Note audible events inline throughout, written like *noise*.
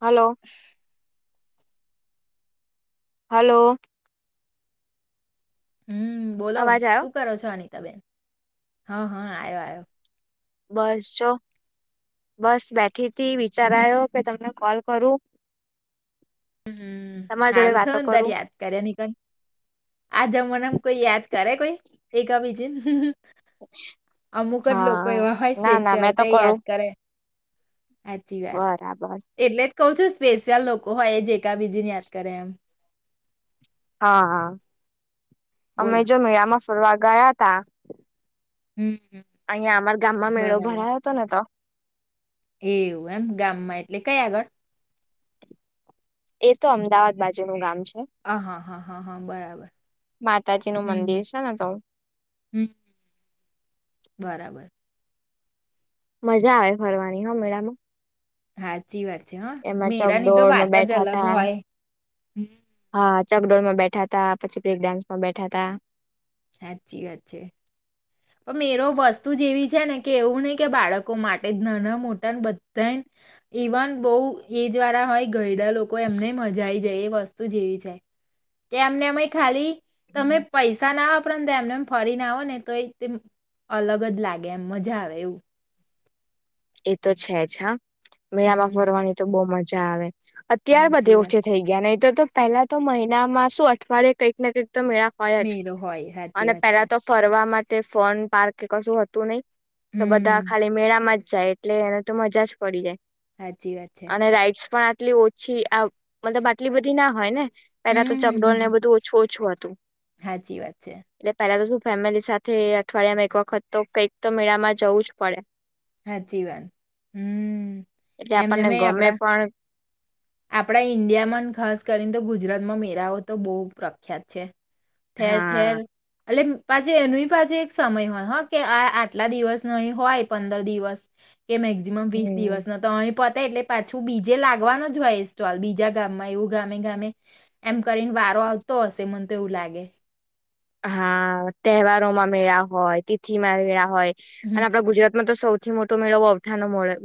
Hello hello હમ્મ બોલો અવાજ આવ્યો શું કરો છો અનિતાબેન હા હા આયો આયો બસ જો બસ બેઠીતી વિચારાયો કે તમને કોલ કરું હમ્મ તમારી જોડે હારું વાતો થયું ને તાર કરું યાદ કરયાનીક આ જમનામા કોઈ યાદ કરે કોઈ એકા બીજે અમુક જ લોકો હા એવા હોય ના ના સ્પેશિયલ મેં તો તે યાદ કરું કરે. હાચી વાત બરાબર એટલે જ કઉ છું સ્પેશિયલ લોકો હોય જે કા બીજીને યાદ કરે એમ. હા અમે બોલો જો મેળામાં ફરવા ગયા હતા. હમ અહંયા અમાર ગામમાં મેળો બરાબર ભરાયો હતો ને તો. એવું એમ ગામમાં એટલે કય આગળ એ તો અમદાવાદ બાજુ નું ગામ છે. હા હા હા હા હા બરાબર માતાજી નું મંદિર હમ્મ છે ને તો હમ્મ હમ્મ બરાબર મજા આવે ફરવાની હ મેળામાં. હાચી વાત છે હા એમાં મેરાની તો વાત ચકડોળમાં જ બેઠા અલગ તા હોય. હમ્મ ચકડોળ માં બેઠા હતા પછી બ્રેક ડાન્સ માં બેઠા તા હાચી વાત છે. પણ મેરો વસ્તુ જેવી છે ને કે એવું નહી કે બાળકો માટે નાના મોટા બધાયને ઇવન બવ એજ્ વારા હોય ઘયડા લોકો એમનેય મજા આવી જાય એ વસ્તુ જ એવી છે કે એમને અમે ખાલી તમે પૈસા ના વાપરોને તો એમને એમ ફરી ના આવો ને તો એ તેમ અલગ જ લાગે એમ મજા આવે એવું. એ તો છે જ હા મેળામાં હમ ફરવાની તો બોવ મજા આવે. અત્યાર સાચી બધા ઓછે વાત થઇ ગયા નહી તો તો પેલા તો મહિના માં શું અઠવાડયે કઈક ને કઈક તો મેળા હોય જ મેરો હોય સાચી અને વાત છે પેલા તો ફરવા માટે ફોન પાર્ક કશું હતું નહી તો બધા હમ ખાલી મેળામાં જાય એટલે એનો તો મજા જ પડી જાય. સાચી વાત છે અને રાઈટ્સ પણ આટલી ઓછી આ મતલબ આટલી બધી ના હોય ને પેલા તો હમ હમ, ચકડોલ ને હમ. બધું ઓછું ઓછું હતું સાચી વાત છે એટલે પેલા તો શું ફેમિલી સાથે અઠવાડિયામાં એક વખત તો કંઈક તો મેળામાં જવું જ પડે. હાચી વાત હમ્મ એટલે એમને આપણને મે ગમે આપડા પણ આપડા ઈન્ડિયામાં ખાસ કરીને તો ગુજ રાતમાં મેરાઓ તો બહુ પ્રખ્યાત છે ઠેર ઠેર હા એટલે પાછી એનું પાછી એક સમય હોય હ કે આ આટલા દિવસ નો અહીં હોય પંદર દિવસ કે મેક્ઝિમમ વીસ હમ દિવસ નો તો અહી પ તે એટલે પાછું બીજે લાગવાનો જ હોય એ સ્ટોલ બીજા ગામમાં એવું ગામે ગામે એમ કરીને વા રો આવતો હશે મને તો એવું લાગે. હા તહેવારોમાં મેળા હોય તિથિમાં મેળા હોય અને હમ આપડા ગુજરાત માં તો સૌથી મોટો મેળો વવથાનો *unintelligible*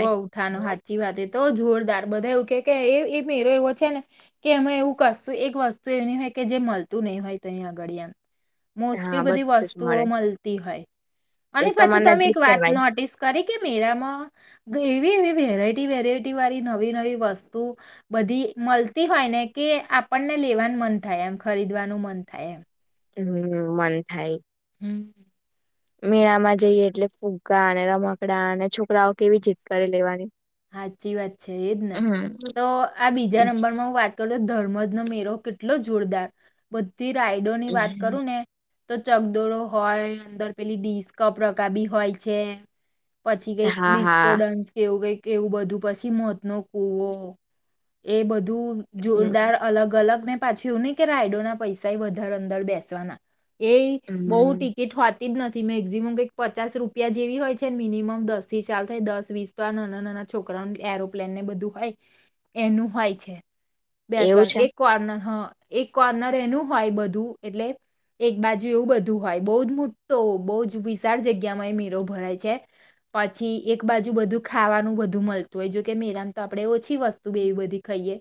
વવથાનો હાચી વાત એતો જોરદાર બધા એવું કે એ એ મેરો એવો છે ને કે અમે એવું કશું એક વસ્તુ એની હોય કે જે મળતું નહી હોય તંયા *unintelligible* હા મોસ્ટલી બધી બધું જ વસ્તુઓ મળે મલતી હોય. એ અને તો પછી મને તમે એક નજીક વાત કેવાય નોટિસ કરી કે મેરામાં એવી એવી વેરાયટી વેરાયટી વાળી નવી નવી વસ્તુ બધી મલતી હોયને કે આપણને લેવાનું મન થાય એમ ખરીદવાનું મન થાય એમ હમ્મ મન થાય. હમ્મ મેળા માં જઈએ એટલે ફુગ્ગા અને રમકડા અને છોકરાઓ કેવી જીદ કરી લેવાની. હાચી વાત છે એજ ને હમ્મ. તો આ બીજા નંબરમાં હું વાત કરું છ ધર્મજ ન મે કેટલો જોરદાર બુદ્ધિ રાયડો ની વાત કરું ને તો ચકદોડો હોય અંદર પેલી ડીસ્કપ રગાવી હોય છે પછી કઈક હા લિસ્કો હા ડન્સ કેવું કઈક કેવું બધું પછી મોત નો કૂવો એ બધું દૂર જોરદાર અલગ અલગને પાછી એ નને કે રાયડો ના પૈસા વધારે અંદર બેસવાના એ બહુ હમ ટિકિટ હો જ નથી મેક્ઝિમ કઈક પચ રૂપિયા જેવી હોય છે મિનિમમ દસ થી ચાલ થાય દસ વીસ તો આ નાના નથી છોકરા એરોપ્લેન ને બધું હોય એનું હોય છે એવું બેસવા છે એક કોર્નર હ એક કોર્નર એનું હોય બધું એટલે એક બાજુ એવું બધું હોય બહુ જ મોટો બહ જ વિશાળ જગ્યામાં એ મેરો ભરાય છે પછી એક બાજુ બધું ખાવાનું બધું બું મળતું હોય જોકે મેરામ તો આપણે ઓછી વસ્તુ બેવી બધી ખાઈએ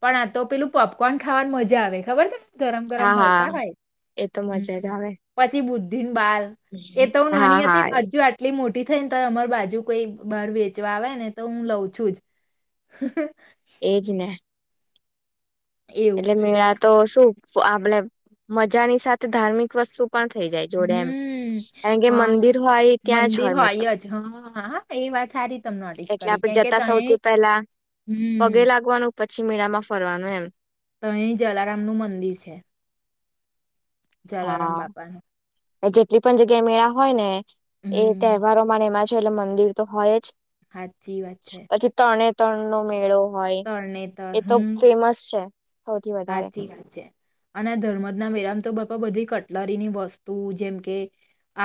પણ આ તો પેલું પોપકોન ખાવાની મજા આવે ખબર ગરમ ગરમ હા હા મળતા હોાય એ તો મજા જ આવે હ પછી બુધ બાર એ તો હ હા નાની હા હતી હજુ આટલી મોટી થઈ ને તો અમાર બાજુ કોઈ બહાર વેચવા આવે ને તો હું લઉં છું જ એજ ને એવું એટલે મેળા તો શું આપણે મજાની સાથે ધાર્મિક વસ્તુ પણ થઈ જાય જોડે એમ હમ કારણ કે હા મંદિર આય ત્યાં જ મંદિર હોય મતલબ જ હા હા એ વાત હારી તમે નોટિસ એટલે કરી કેમ આપડે કે જતા તય સૌથી પહેલા પગે હમ લાગવાનું પછી મેળામાં ફરવાનું એમ તો અહી જલારામ નું મંદિર છે જલારામ હા બાપાને જેટલી પણ જગ્યા એ મેળા હોય ને એ હમ તહેવારો એમાં છે એટલે મંદિર તો હોય જ હાચી વાત છે પછી તરણે તણ નો મેળો હોય તરણેતર એ તો હમ ફેમસ છે સૌથી વધારે હાચી વા છે અને ધર્મદ ના વરામ તો બાપા બધી કટલરીની વસ્તુ જેમ કે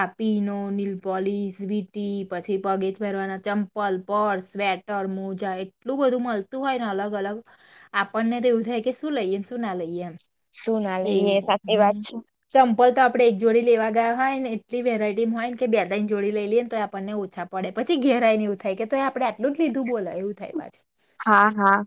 આપીનો લ પોલીસ વીટી પછી પગેચ ભરવાના ચંપલ પર્સ સ્વેટર મોજા એટલું બધું મળતું હોય ને અલગ અલગ આપણને તો એવું થાય કે શું લઈએને શું ના લઈએ એમ શું ના લઈએ એ એવું સાચી વાત છે ચંપલ તો આપ આપણે એક જોડી લેવા ગયા હોય ને એટલી વેરાયટીમાં હોય કે બે જોડી લઈ લએને તો આપણને ઓછા પડે પછી ઘેરાઈ ઉ થાય કે તો એ આપણે આટલ જ લીધું બોલા એવું થાય પાછ હા હા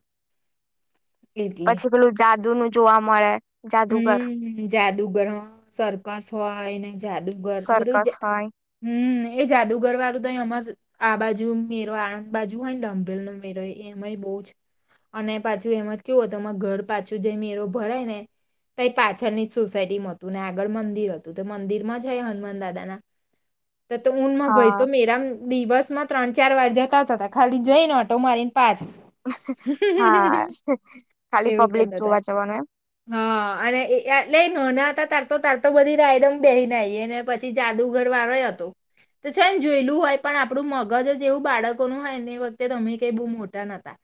પછી પેલું જાદુ નું જોવા મળે જાદુગર હમ જાદુગર સરકસ હોય ને જાદુગર સર્કસ બધું હોય હમ એ જાદુગર વાળું તો અમાર આ બાજુ મેરો આણંદ બાજુ હોય ને લંભેલ ન મેરો એમાંય બહુ જ અને પાછું એમ જ કેવ હોય તમામાં ઘર પાછું જે મેરો ભરાય ને ત પાછળની જ સોસાયટીમાં હતું ને આગળ મંદિર હતું તો મંદિરમાં જ હનુમાન દાદા ના *unintelligible* તો ઊનમાં ભાઈ હા તો મેરા દિવસ માં ત્રણ ચાર વાર જતા જ હતા ખાલી જઈને ઓટો મારીને પાછા હા ખાલી એવું પબ્લિક કરતા હતા જોવા જવાનું એમ હા અને એટલે નાના હતા તારતો તારતો બધી રાયડમ બેહી નાઈને પછી જાદુ ઘર વારો હતો તો છે ને જોયેલું હોય પણ આપણું મગજ એવું બાળકો ન હોય ને એ વખતે તમે કઈ બહુ મોટા નહતા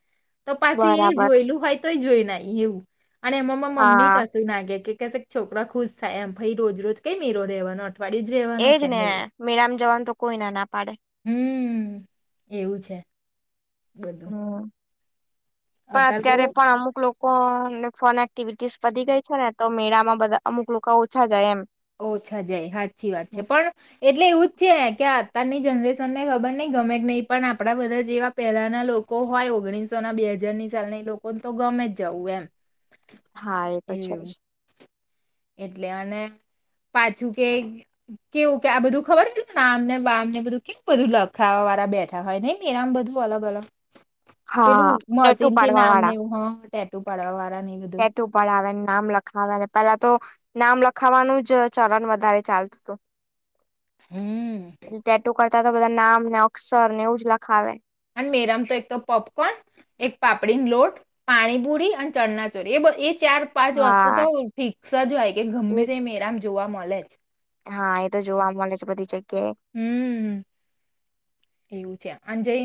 તો પાછું એ બરાબર જોયેલું હોય તોય જોઈ ના એવું અને એમાંમાં મમ્મી હા કશું નાાગે છોકરા ખુશ થાય એમ ભાઈ રોજ રોજ કઈ મેીરો રહેવાનો હતો પળી જ રેવાનો એજ છે ને એવું મેળામાં જવાનું તો કોઈ ના ના પાડે હમ એવું છે બલું હમ પણ અત્યારે પણ અમુક લોકો કોને ફોન એક્ટિવિટીસ વધી ગઈ છે ને તો મેળામાં બધા અમુક લોકો ઓછા જાય એમ. ઓછા જય હા સાચી વાત છે પણ એટલે એવું જ છે કે અતારની જનરેશનને ખબર નહિ ગમે જ નહીં પણ આપણા બધા જેવા પહેલાના લોકો હોય ઓગણીસો ના બે હાજારની સાલ લોકોને તો ગમે જ જવું એમ. હા એ તો છે એવું જ એટલે અને પાછું કે કેવું કે આ બધું ખબરું નામને બમ ને બધું કે બધું લખા વાળા બેઠા હોય નઈ મેળામ બધું અલગ અલગ પેલું હા ટેટુ મશીન થી નામનેવું હ ટેટું પડવા. ટેટું પડાવે નામ લખાવે ને પેલા તો નામ લખાવાનું જ ચલણ વધારે ચાલતું હતું. હમ એટ ટેટુ કરતા તો બધા નામ ને અક્ષર ને એવું જ લખાવે. અને મેરામ તો એક તો પોપકોર્ન એક પાપડીની લોટ, પાણીપુરી અને ચણાચોરી એ એ ચાર પાંચ વસ્તુ હા તો ફિક્સ જ હોય કે ગમે એજ તે મેરામ જોવા મળે જ. હા એ તો જોવા મળે છે બધી જગ્યા. હમ્મ એવું છે અને જે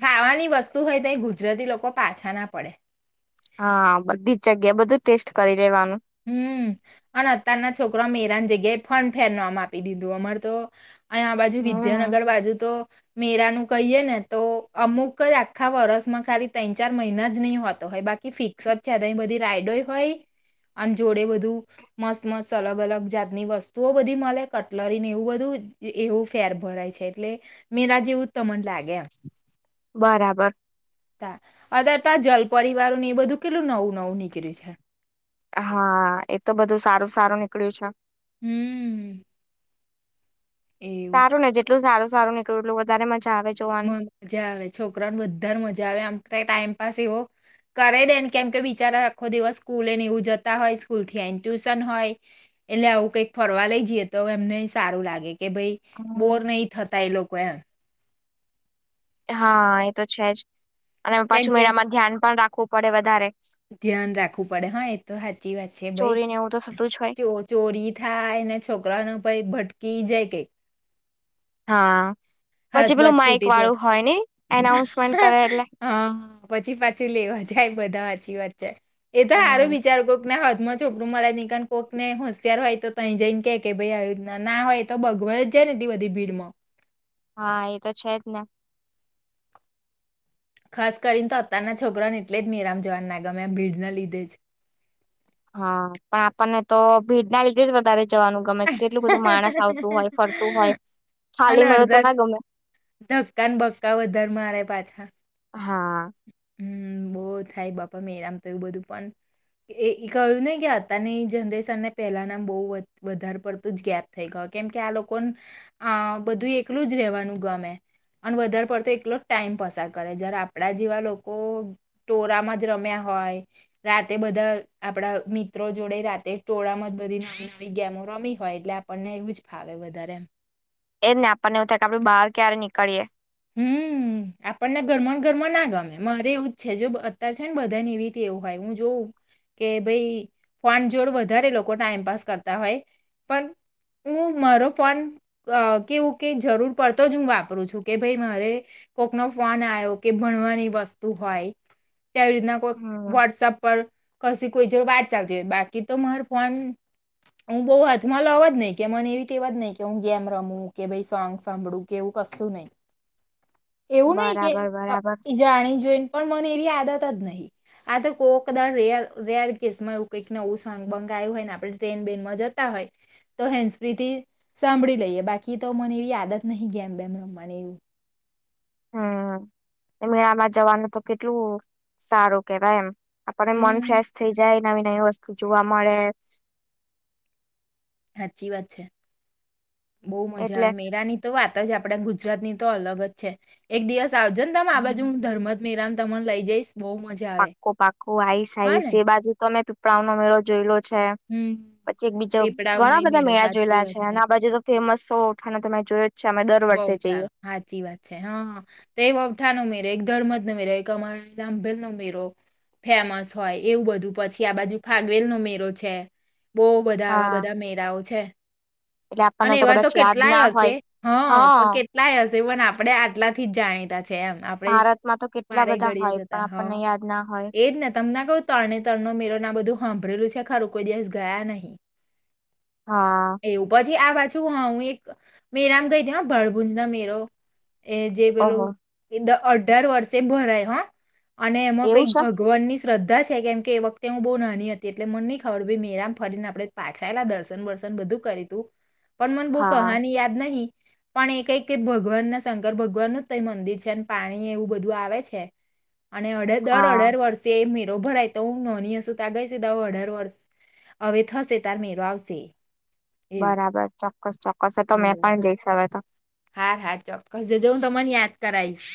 ખાવાની વસ્તુ વસ્તું હોય ત ગુજરાતી લોકો પાછા ના પડે. હા બધી જ બધું ટેસ્ટ કરી. લેવાનું. હમ્મ અને અતારના છોકરા મેરાન જગ્યા ફન ફેર ન આમ આપી દીધું અમાર તો અહીંયા આ બાજુ હમ. વિદ્યાનગર બાજુ તો મેરા ન કહીએ ને તો અમુક જ આખા વર્ષમાં ખાલી ત્રણ ચાર મહિના જ નહી હોતો હોય. બાકી ફિક્સ જ છે બધી રાઈડોય હોય. આમ જોડે બધું મસ્ત મસ્ત અલગ અલગ જાતની વસ્તુઓ બધી મળે કટલરી ને એવું બધું. એવું ફેર ભરાય છે. એટલે મેરા જેવું જ તમને લાગે એમ. બરાબર. અતાર ત્યા જલ પરિવારોને એ બધું કેટલું નવું નવું નીકળ્યું છે. હા એ તો બધું સારું સારું નીકળ્યું છે. હમ્મ. સારું ને જેટલું સાર સારું નીકળું એટલું વધારે મ મજા આવે છોકરાઓને બધા જ મજા આવે આમ ક ટાઈમ પાસ એવો કરે દેને કેમ કે બિચારા આખો દિવસ સ્કૂલ ને એવું જતા હોય સ્કૂલ થી આવીને ટ્યુશન હ ય એટલે આવું કઈક ફરવા લઈ જઈએ તો એમને સારું લાગે. કે ભાઈ બોર હમ. નહી થતા એ લોકો એમ. હા એ તો છે જ. અને કેમ પાછું કે મહિનામાં ધ્યાન પણ રાખવું પડે વધારે. ધ્યાન રાખવું પડે હા એ તો સાચી વાત છે ભાઈ. ચોરી ને એવું તો થતું જ હોય ચો ચોરી થાય ને છોકરા ને ભાઈ ભટકી જાય કઈ. હા. હાથ પછી પેલું વાત માઈક છૂટી વાળું જાય. હોય ને એનાઉન્સમેન્ટ કરે એટલે હા પછી પાછું લેવા જાય બધા હાચી વાત. એ તો હારું હમ વિચારકોને હત મત છોકરું માળ કાન કોક ને હોશયાર હોય તો તઈ જઈને કે કે ભાઈ આવ્યું ના હોય તો બગવા જાય ને. વધી ભીડમાં. હા એ તો છે જ ને. ખાસ કરીને તો અત્યારના છોકરાને એટલે જ મેળામ જવાનને ગમે ભીડને લીધે જ. હા પણ આપણને તો ભીડ ના લીધે જ વધારે જવાનું ગમે કેટલું બધું માણસ આવતું હોય ફરતું હોય અને ખાલી મેે તો અડધા ના ગમે ધક્કા બક્કા વધારે મારે પાછા. હાં હમ્મ બહુ થાય બાપા મેરામ તો એવું બધું પણ એ એ કહ્યું ને કે અતારની જનરેશન ને પેલા ના બહુ વધારે પડતું જ ગેપ થઈ ગય. કેમ કે આ લોકો આ બધું એકલું જ રેવાનું ગમે અને વધારે પડતો એકલો જ ટાઈમ પસાર કરે જ્યારે આપણા જેવા લોકો *inaudible* ટોળામાં જ રમ્યા હોય રાતે બધા આપડા મિત્રો જોડે રાતે ટોળામાં બધી નવી નવી ગેમો રમી હોય એટલે આપણને એવું જ ફાવે વધારે એમ એજ ને આપણને એવું થાય કે આપડું બહાર ક્યારે નીકળીએ હમ *inaudible* આપણને ગરમા ગરમાં ના ગમે મારે એવું જ છે જો અત્યારે છે ને બધા ને એવી રતે એવું હોય હું જોઉ કે ભાઈ ફોન જોડ વધારે લોકો ટાઈમ પાાસ કરતા હોય પણ હું મારો ફોન કેવું કે જરૂર પડતો જ હું વાપરું છું કે ભાઈ મારે કોક ન ફોન આવ્યો કે ભણવાની વસ્તુ હોય કેવી રીતના કોઈ હમ વોટ્સઅપ પર કછી કોઈ જો વાત ચાલતી હોય બાકી તો મારો ફોન હું બઉુ હાથમાં લવાજ નઈ કે મને એવી કેવા જ નહી કે હું ગેમ રમું કે ભ સોંગ સાંભળું કેવું કશું નહી એવું નહીિ કે બરાબર બરાબર. એ જાણી જોઈને પણ મને એવી નહી આ તો કો ક રે રેર કેસમાં એવું કઈકને એવું બંગાયું હોય ને આપડે બેનમાં જતા હોય તો હેન્સપથી સાંભળી લઈએ બાકી તો મને એવી આદત નહીં ગ બેમ રમને એવું હમ મેળામાં જવાનું તો કેટલું સારું કેવાય એમ આપણને મન હમ ફ્રેશ થઈ જાય નવી નવી વસ્તુ જોવા મળે સાચી વાત છે બહુ મજા એટલે આવે મેરા ની તો વાત જ આપડ ગુજરાત ની તો અલગ જ છે એક દિવસ આવજો ને તમે આ બાજુ હું ધર્મત મિરામ તમને લઈ જઈશ બહુ મજા આવે પાકો પાકો આઈશ હા આઈશ ને એ બાજુ તમે પીપળાઓ નો મેળો જોઈ લો પછી હમ એક બીજો પીપળાવ નો ઘણા બધા મેળો મેળા સાચી જોયેલા છે વાત અને આ બાજુ તો ફેમસ સૌથાને તમે જોય બહુઠા સાચી વાત છે હા તે બવઠા ન ઉ મેરો એક ધર્મ જ મેરે એક કમાં બલ નમેીરો ફેમસ હોય એવું બધું પછી આ બાજુ ફાગવેલ નો મેરો છે બહુ બધા આવા હા. બધા મેરાાઓ છે એટલે અને આપણને એવા તો કદાચ યાદ કેટલાય ના હશે હોય. હ હા પણ કેટલાય હશે પણ આપડે આટલાથી જ જાણીતા છે એમ આપડે ભારતમાં તો કેટલા મારે બધા ઘડીએ હોય પણ જતા હ આપણને યાદ ના હોય એજ ને તમને કઉ તરણે તરણ ન મેરો ના બધું સાંભળરેલું છે કોઈ દિવસ ગયા નહી હા. એવું પછી આ વાત ું હા હું એક મેરામ ગઈ હતી ભળભુંજ ના મેરો એ જે ઓહો પેલોું અઢાર વર્ષે ભરાય હા અને એમાં એવું કઈક છે ભગવાન ની. શ્રદ્ધા છે કેમ કે એ વખતે હું બહુ નાની હતી એટલે મને નહીં ખબર ભાઈ મેરામ ફરીને આપણે પાછાયએલા દર્શન બશ બધું કરી તું પણ મને બો હા કહાની યાદ નહી પણ એ કઈક ભગવાન ના શંકર ભગવાનુ જ કઈ મંદિર છે અને પાણી એવું બધું આવે છે. અને અઢ દર હા અઢાર વર્ષે એ મેરો ભરાય તો હુ નોની હસું તા ગઈ સીધ અઢાર વર્ષ. હવે થશે તાર મેરો આવશે. એવું બરાબર ચોક્કસ ચોક્કસ એ તો મેં પણ જઈસ હવે તો. હા હા ચોક્કસ જજો હું તમન યાદ કરાઈશ.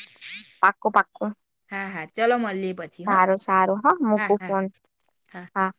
પાકું પાકું હા હા ચલો મળીએ પછી હા સારું સારું હ હા મુકું હા ફોન. હા.